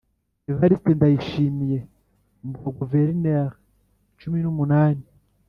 evariste ndayishimiye mu ba guverineri cumi n’umunani